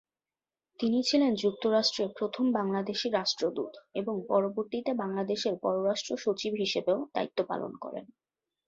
তিনি ছিলেন যুক্তরাষ্ট্রে প্রথম বাংলাদেশী রাষ্ট্রদূত এবং পরবর্তীতে বাংলাদেশের পররাষ্ট্র সচিব হিসাবেও দায়িত্ব পালন করেন।